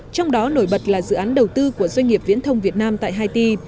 trong đó nổi bật là dự án đầu tư của doanh nghiệp viễn thông việt nam tại haiti